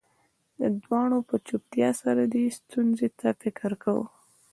دواړو په چوپتیا سره دې ستونزې ته فکر کاوه